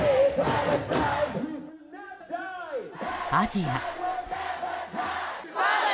アジア。